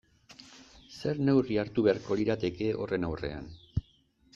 Zer neurri hartu beharko lirateke horren aurrean?